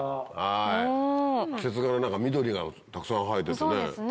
何か緑がたくさん生えててね。